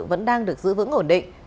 vẫn đang được giữ vững ổn định